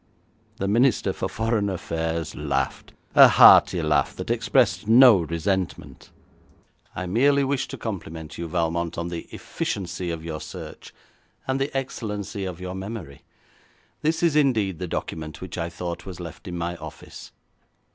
The Minister for Foreign Affairs laughed; a hearty laugh that expressed no resentment. 'I merely wished to compliment you, Valmont, on the efficiency of your search, and the excellence of your memory. This is indeed the document which I thought was left in my office.'